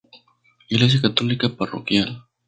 Iglesia católica parroquial.